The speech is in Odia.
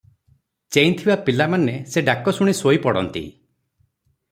ଚେଇଁଥିବା ପିଲା ମାନେ ସେ ଡାକଶୁଣି ଶୋଇପଡ଼ନ୍ତି ।